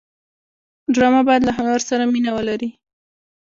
ډرامه باید له هنر سره مینه ولري